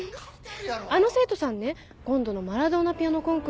あの生徒さんね今度のマラドーナピアノコンクールに出るみたいよ。